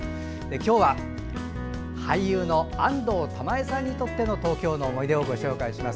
今日は俳優の安藤玉恵さんにとっての東京の思い出をご紹介します。